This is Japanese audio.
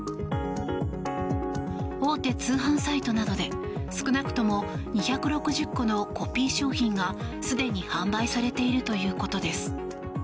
大手通販サイトなどで少なくとも２６０個のコピー商品がすでに販売されているということです。